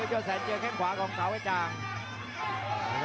ย่อแสนเจอแข้งขวาของสาวอาจารย์